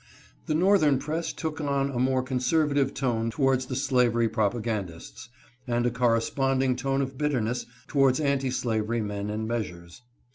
The Northern press took on a more conservative tone towards the slavery propagandists, and a corresponding tone of bitterness towards anti slavery men and measures.